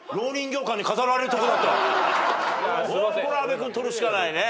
阿部君取るしかないね。